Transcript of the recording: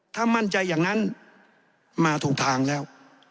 ถ้ามั่นใจอย่างนั้นมาถูกทางแล้ว